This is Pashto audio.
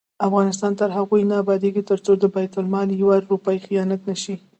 افغانستان تر هغو نه ابادیږي، ترڅو د بیت المال یوه روپۍ خیانت نشي.